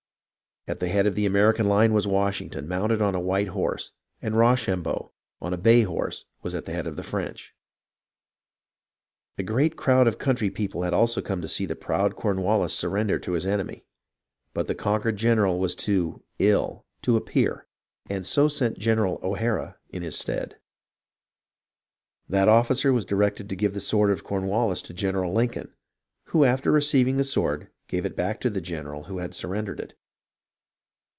At the head of the American line was Wash ington mounted on a white horse, and Rochambeau on a bay horse was at the head of the French. A great crowd of the country people had also come to see the proud Corn wallis surrender to his enemy ; but the conquered general was too "ill" to appear and so sent General O'Hara in his stead. That officer was directed to give the sword of Cornwallis to General Lincoln, who after receiving the sword gave it back to the general who had surrendered it.